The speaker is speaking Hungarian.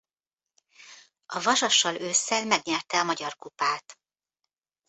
A Vasassal ősszel megnyerte a Magyar Kupát.